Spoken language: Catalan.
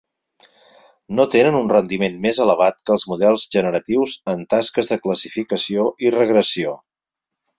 No tenen un rendiment més elevat que els models generatius en tasques de classificació i regressió.